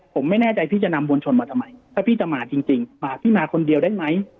ผมไม่แน่ใจพี่จะนำมวลชนมาทำไมถ้าพี่จะมาจริงมาพี่มาคนเดียวได้ไหม